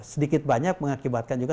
sedikit banyak mengakibatkan juga